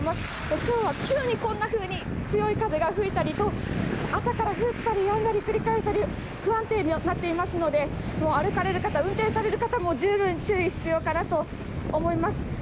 今日は、急にこんなふうに強い風が吹いたり、朝から降ったり、やんだりを繰り返したり、不安定にはなっていますので、歩かれる方、運転される方も十分に注意が必要かなと思います。